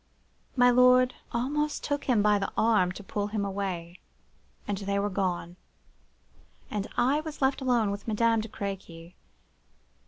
My lord almost took him by the arm to pull him away; and they were gone, and I was left alone with Madame de Crequy.